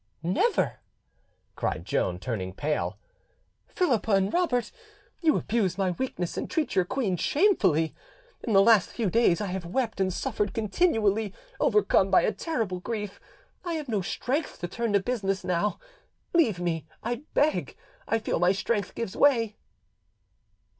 "Never!" cried Joan, turning pale. "Philippa and Robert, you abuse my weakness and treat your queen shamefully. In the last few days I have wept and suffered continually, overcome by a terrible grief; I have no strength to turn to business now. Leave me, I beg: I feel my strength gives way."